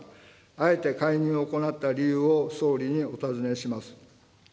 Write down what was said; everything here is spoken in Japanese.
あえて介入を行った理由を総理にお尋ねします。